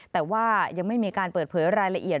แต่ว่ายังไม่มีการเปิดเผยรายละเอียด